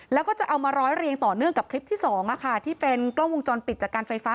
แล้วก็จะเอามาร้อยเรียงต่อเนื่องกับคลิปที่สองที่เป็นกล้องวงจรปิดจากการไฟฟ้า